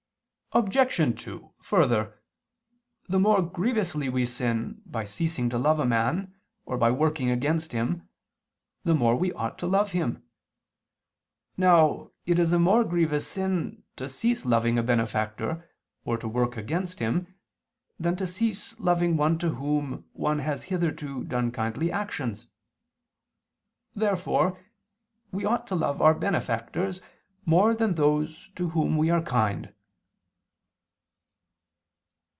Obj. 2: Further, the more grievously we sin by ceasing to love a man or by working against him, the more ought we to love him. Now it is a more grievous sin to cease loving a benefactor or to work against him, than to cease loving one to whom one has hitherto done kindly actions. Therefore we ought to love our benefactors more than those to whom we are kind.